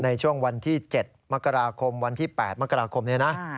ในช่วงวันที่๗มกราคมวันที่๘มกราคมนี้นะ